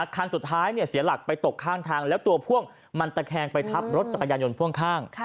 คันสุดท้ายเสียหลักไปตกข้างทางแล้วตัวพ่วงมันตะแคงไปทับรถจักรยานยนต์พ่วงข้าง